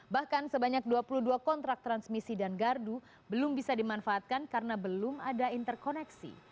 bahkan sebanyak dua puluh dua kontrak transmisi dan gardu belum bisa dimanfaatkan karena belum ada interkoneksi